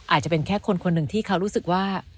อาจจะเป็นแค่คนหนึ่งที่เขารู้สึกว่า